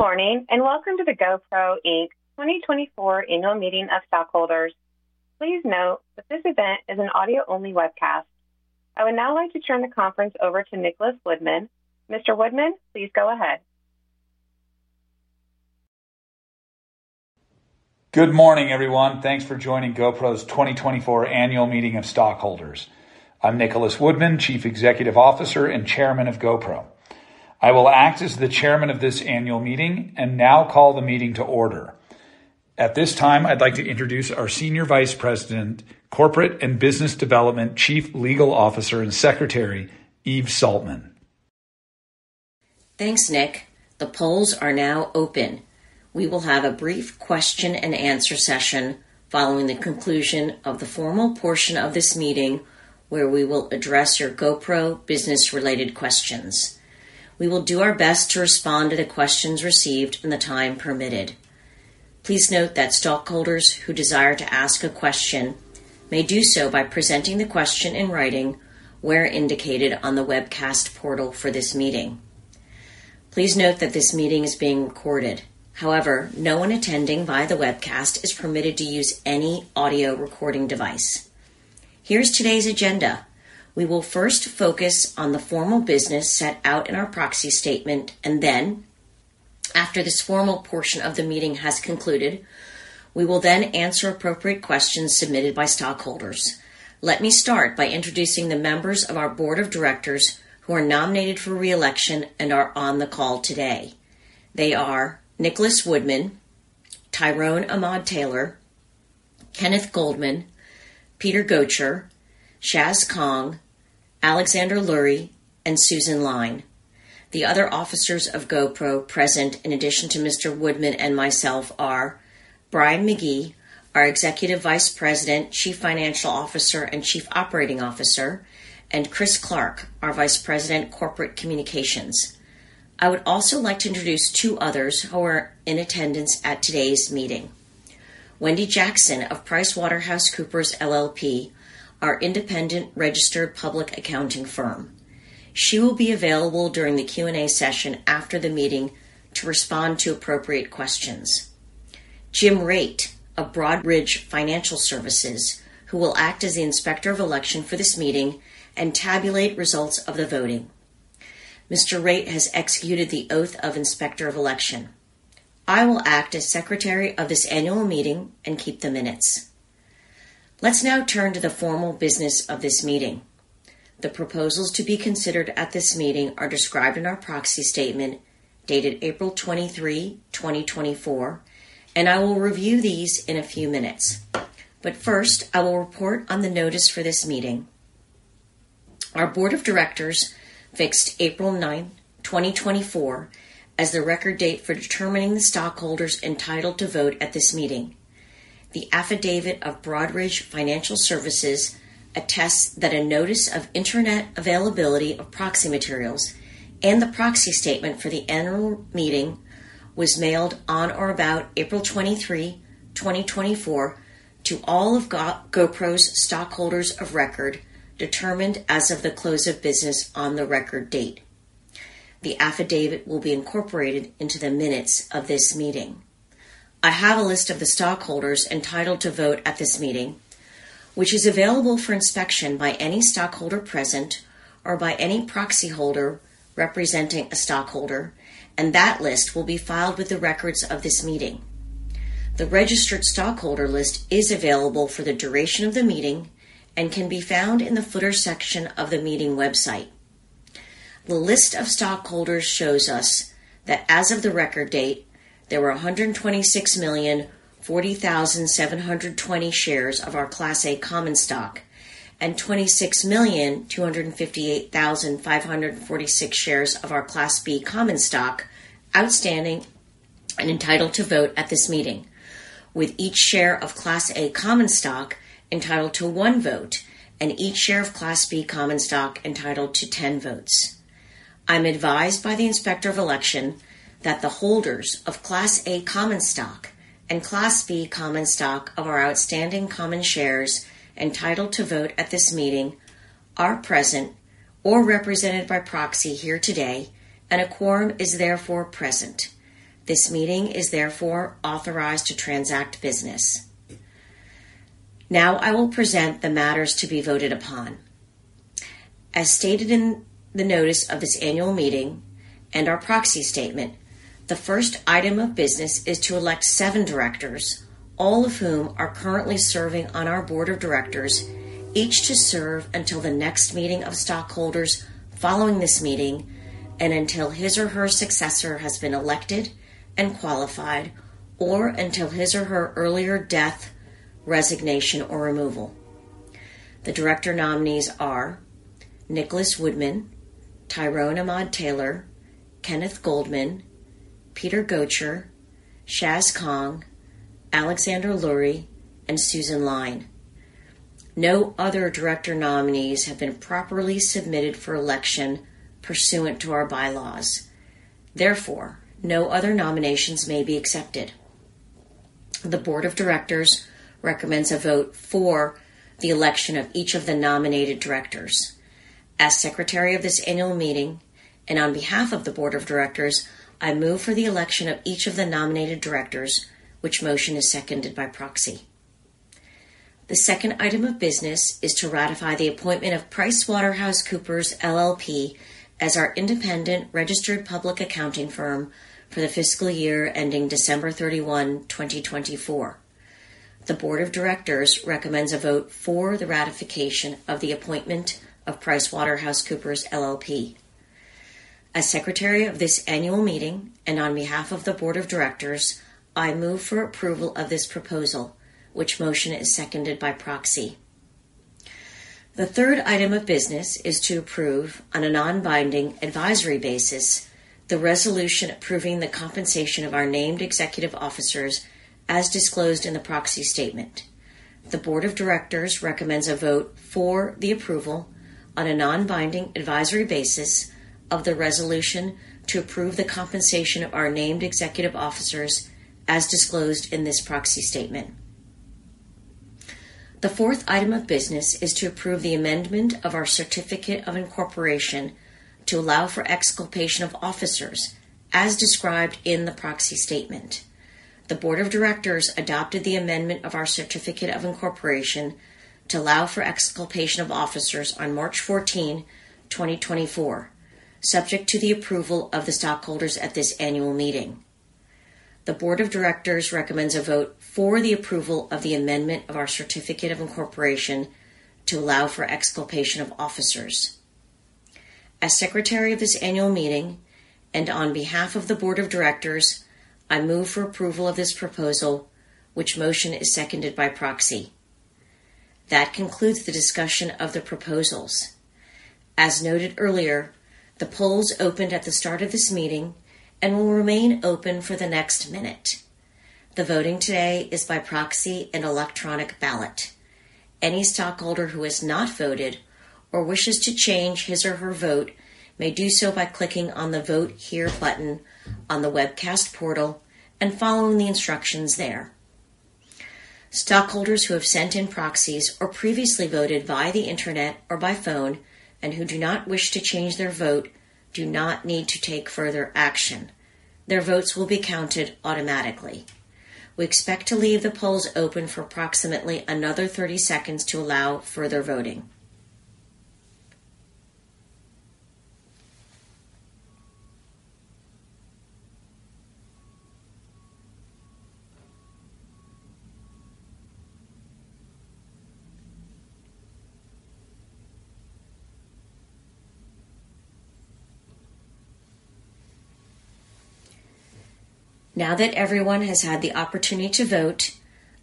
Good morning, and welcome to the GoPro Inc. 2024 Annual Meeting of Stockholders. Please note that this event is an audio-only webcast. I would now like to turn the conference over to Nicholas Woodman. Mr. Woodman, please go ahead. Good morning, everyone. Thanks for joining GoPro's 2024 Annual Meeting of Stockholders. I'm Nicholas Woodman, Chief Executive Officer and Chairman of GoPro. I will act as the chairman of this annual meeting and now call the meeting to order. At this time, I'd like to introduce our Senior Vice President, Corporate and Business Development, Chief Legal Officer, and Secretary, Eve Saltman. Thanks, Nick. The polls are now open. We will have a brief question and answer session following the conclusion of the formal portion of this meeting, where we will address your GoPro business-related questions. We will do our best to respond to the questions received in the time permitted. Please note that stockholders who desire to ask a question may do so by presenting the question in writing where indicated on the webcast portal for this meeting. Please note that this meeting is being recorded. However, no one attending via the webcast is permitted to use any audio recording device. Here's today's agenda. We will first focus on the formal business set out in our proxy statement, and then, after this formal portion of the meeting has concluded, we will then answer appropriate questions submitted by stockholders. Let me start by introducing the members of our board of directors who are nominated for re-election and are on the call today. They are Nicholas Woodman, Tyrone Ahmad-Taylor, Kenneth Goldman, Peter Gotcher, Shaz Kahng, Alexander Lurie, and Susan Lyne. The other officers of GoPro present, in addition to Mr. Woodman and myself, are Brian McGee, our Executive Vice President, Chief Financial Officer, and Chief Operating Officer, and Chris Clark, our Vice President, Corporate Communications. I would also like to introduce two others who are in attendance at today's meeting. Wendy Jackson of PricewaterhouseCoopers, LLP, our independent registered public accounting firm. She will be available during the Q&A session after the meeting to respond to appropriate questions. Jim Raitt of Broadridge Financial Services, who will act as the Inspector of Election for this meeting and tabulate results of the voting. Mr. Raitt has executed the oath of Inspector of Election. I will act as Secretary of this annual meeting and keep the minutes. Let's now turn to the formal business of this meeting. The proposals to be considered at this meeting are described in our proxy statement, dated April 23, 2024, and I will review these in a few minutes. But first, I will report on the notice for this meeting. Our board of directors fixed April 9, 2024, as the record date for determining the stockholders entitled to vote at this meeting. The Affidavit of Broadridge Financial Services attests that a notice of internet availability of proxy materials and the proxy statement for the annual meeting was mailed on or about April 23, 2024, to all of GoPro's stockholders of record, determined as of the close of business on the record date. The affidavit will be incorporated into the minutes of this meeting. I have a list of the stockholders entitled to vote at this meeting, which is available for inspection by any stockholder present or by any proxy holder representing a stockholder, and that list will be filed with the records of this meeting. The registered stockholder list is available for the duration of the meeting and can be found in the footer section of the meeting website. The list of stockholders shows us that as of the record date, there were 126,040,720 shares of our Class A common stock and 26,258,546 shares of our Class B common stock outstanding and entitled to vote at this meeting, with each share of Class A common stock entitled to one vote and each share of Class B common stock entitled to 10 votes. I'm advised by the Inspector of Election that the holders of Class A common stock and Class B common stock of our outstanding common shares entitled to vote at this meeting are present or represented by proxy here today, and a quorum is therefore present. This meeting is therefore authorized to transact business. Now I will present the matters to be voted upon. As stated in the notice of this annual meeting and our proxy statement, the first item of business is to elect seven directors, all of whom are currently serving on our board of directors, each to serve until the next meeting of stockholders following this meeting and until his or her successor has been elected and qualified or until his or her earlier death, resignation, or removal. The director nominees are Nicholas Woodman, Tyrone Ahmad-Taylor, Kenneth Goldman, Peter Gotcher, Shaz Kahng, Alexander Lurie, and Susan Lyne. No other director nominees have been properly submitted for election pursuant to our bylaws. Therefore, no other nominations may be accepted. The Board of Directors recommends a vote for the election of each of the nominated directors. As Secretary of this annual meeting and on behalf of the Board of Directors, I move for the election of each of the nominated directors, which motion is seconded by proxy. The second item of business is to ratify the appointment of PricewaterhouseCoopers LLP as our independent registered public accounting firm for the fiscal year ending December 31, 2024. The Board of Directors recommends a vote for the ratification of the appointment of PricewaterhouseCoopers LLP. As Secretary of this annual meeting and on behalf of the Board of Directors, I move for approval of this proposal, which motion is seconded by proxy. The third item of business is to approve, on a non-binding advisory basis, the resolution approving the compensation of our named executive officers as disclosed in the proxy statement. The Board of Directors recommends a vote for the approval on a non-binding advisory basis of the resolution to approve the compensation of our named executive officers, as disclosed in this proxy statement. The fourth item of business is to approve the amendment of our certificate of incorporation to allow for exculpation of officers, as described in the proxy statement. The Board of Directors adopted the amendment of our certificate of incorporation to allow for exculpation of officers on March 14, 2024, subject to the approval of the stockholders at this annual meeting. The Board of Directors recommends a vote for the approval of the amendment of our certificate of incorporation to allow for exculpation of officers. As Secretary of this annual meeting and on behalf of the Board of Directors, I move for approval of this proposal, which motion is seconded by proxy. That concludes the discussion of the proposals. As noted earlier, the polls opened at the start of this meeting and will remain open for the next minute. The voting today is by proxy and electronic ballot. Any stockholder who has not voted or wishes to change his or her vote may do so by clicking on the Vote Here button on the webcast portal and following the instructions there. Stockholders who have sent in proxies or previously voted via the Internet or by phone and who do not wish to change their vote, do not need to take further action. Their votes will be counted automatically. We expect to leave the polls open for approximately another 30 seconds to allow further voting. Now that everyone has had the opportunity to vote,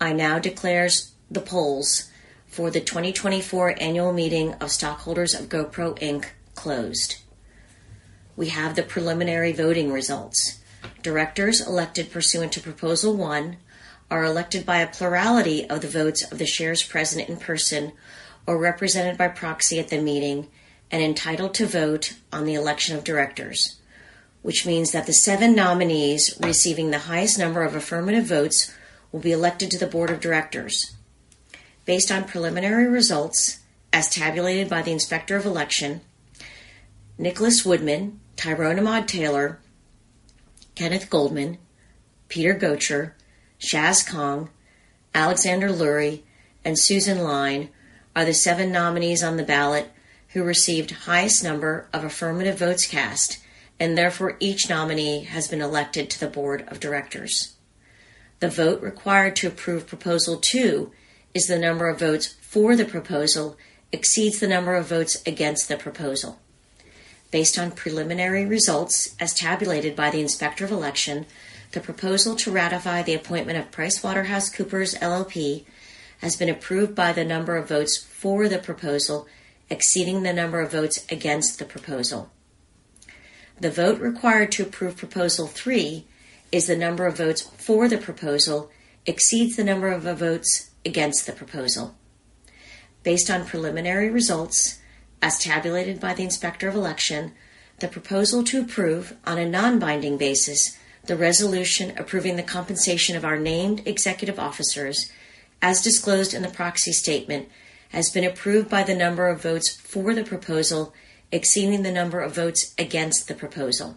I now declare the polls for the 2024 Annual Meeting of Stockholders of GoPro Inc. closed. We have the preliminary voting results. Directors elected pursuant to Proposal One are elected by a plurality of the votes of the shares present in person or represented by proxy at the meeting and entitled to vote on the election of directors, which means that the seven nominees receiving the highest number of affirmative votes will be elected to the board of directors. Based on preliminary results as tabulated by the Inspector of Election, Nicholas Woodman, Tyrone Ahmad-Taylor, Kenneth Goldman, Peter Gotcher, Shaz Kahng, Alexander Lurie, and Susan Lyne are the seven nominees on the ballot who received highest number of affirmative votes cast, and therefore each nominee has been elected to the board of directors. The vote required to approve Proposal Two is the number of votes for the proposal exceeds the number of votes against the proposal. Based on preliminary results as tabulated by the Inspector of Election, the proposal to ratify the appointment of PricewaterhouseCoopers, LLP, has been approved by the number of votes for the proposal exceeding the number of votes against the proposal. The vote required to approve Proposal Three is the number of votes for the proposal exceeds the number of the votes against the proposal. Based on preliminary results as tabulated by the Inspector of Election, the proposal to approve, on a non-binding basis, the resolution approving the compensation of our named executive officers, as disclosed in the proxy statement, has been approved by the number of votes for the proposal exceeding the number of votes against the proposal.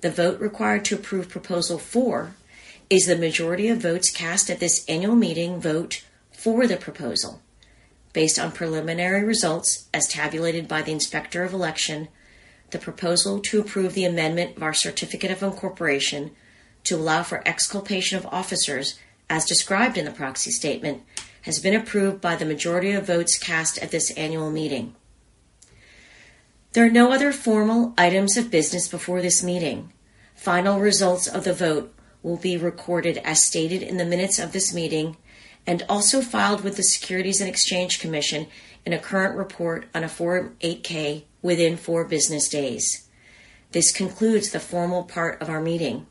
The vote required to approve Proposal Four is the majority of votes cast at this annual meeting vote for the proposal. Based on preliminary results as tabulated by the Inspector of Election, the proposal to approve the amendment of our certificate of incorporation to allow for exculpation of officers, as described in the proxy statement, has been approved by the majority of votes cast at this annual meeting. There are no other formal items of business before this meeting. Final results of the vote will be recorded as stated in the minutes of this meeting and also filed with the Securities and Exchange Commission in a current report on a Form 8-K within four business days. This concludes the formal part of our meeting.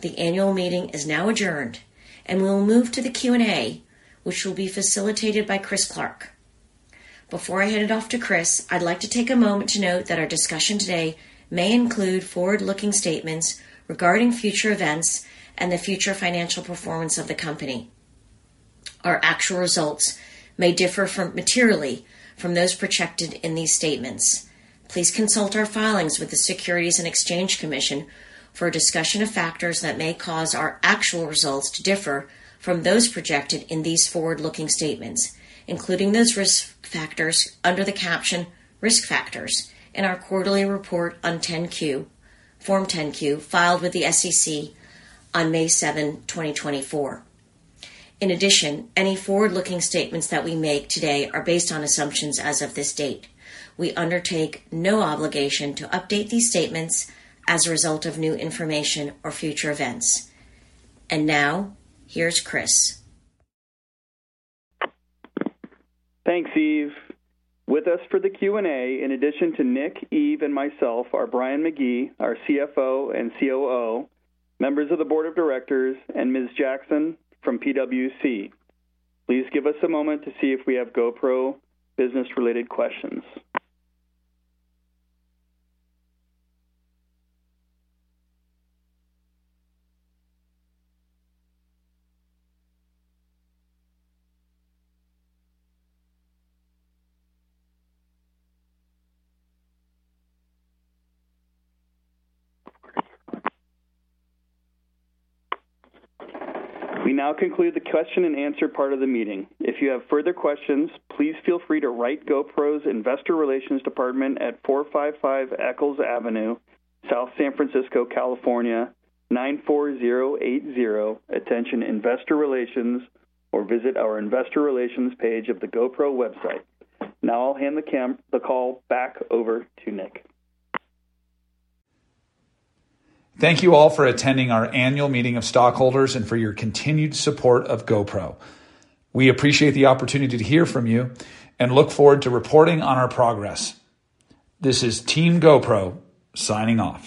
The annual meeting is now adjourned, and we'll move to the Q&A, which will be facilitated by Chris Clark. Before I hand it off to Chris, I'd like to take a moment to note that our discussion today may include forward-looking statements regarding future events and the future financial performance of the company. Our actual results may differ materially from those projected in these statements. Please consult our filings with the Securities and Exchange Commission for a discussion of factors that may cause our actual results to differ from those projected in these forward-looking statements, including those risk factors under the caption Risk Factors in our quarterly report on 10-Q, Form 10-Q, filed with the SEC on May 7, 2024. In addition, any forward-looking statements that we make today are based on assumptions as of this date. We undertake no obligation to update these statements as a result of new information or future events. And now, here's Chris. Thanks, Eve. With us for the Q&A, in addition to Nick, Eve, and myself, are Brian McGee, our CFO and COO, members of the board of directors, and Ms. Jackson from PWC. Please give us a moment to see if we have GoPro business-related questions. We now conclude the question and answer part of the meeting. If you have further questions, please feel free to write GoPro's Investor Relations Department at 455 Eccles Avenue, South San Francisco, California, 94080. Attention, Investor Relations, or visit our investor relations page of the GoPro website. Now I'll hand the call back over to Nick. Thank you all for attending our annual meeting of stockholders and for your continued support of GoPro. We appreciate the opportunity to hear from you, and look forward to reporting on our progress. This is Team GoPro signing off.